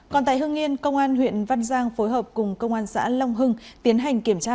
còn tại hương yên công an huyện văn giang phối hợp cùng công an xã long hưng tiến hành kiểm tra